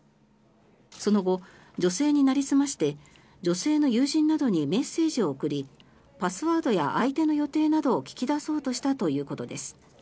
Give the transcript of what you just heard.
その後、女性になりすまして女性の友人などにメッセージを送りパスワードや相手の予定などを聞き出そうとしたということです。